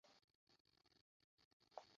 kuko burya uwakinnye ibi ntiyabivamo pe”.